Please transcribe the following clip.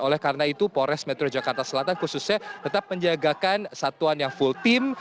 oleh karena itu pores metro jakarta selatan khususnya tetap menjagakan satuan yang full team